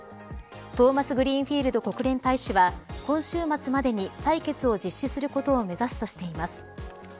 トーマスグリーンフィールド国連大使は今週末までに採決を実施することを目指すとしています。